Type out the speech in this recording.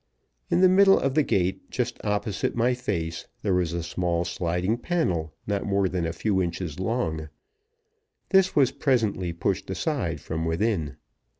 In the middle of the gate, just opposite my face, there was a small sliding panel, not more than a few inches long; this was presently pushed aside from within.